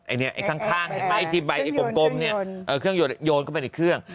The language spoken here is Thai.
ไอ้เนี่ยไอ้ข้างไอ้ทีมใบไอ้กลมเนี่ยเออเครื่องโยนโยนเข้าไปในเครื่อง